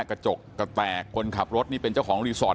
กระจกกระแตกคนขับรถนี่เป็นเจ้าของรีสอร์ท